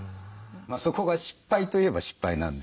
そこが失敗といえば失敗なんですけど。